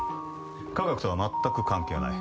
科学とはまったく関係ない。